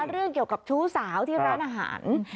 เรื่องเกี่ยวกับชู้สาวที่ร้านอาหาร